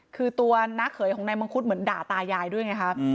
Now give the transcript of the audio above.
คือตัวน้าเขยของนายมังคุดเหมือนด่าตายายด้วยไงครับ